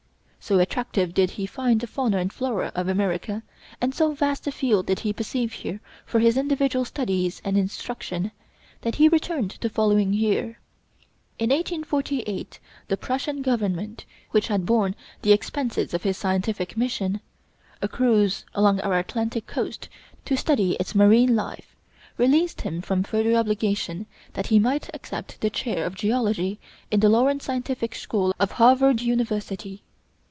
So attractive did he find the fauna and flora of America, and so vast a field did he perceive here for his individual studies and instruction, that he returned the following year. In 1848 the Prussian government, which had borne the expenses of his scientific mission, a cruise along our Atlantic coast to study its marine life, released him from further obligation that he might accept the chair of geology in the Lawrence Scientific School of Harvard University.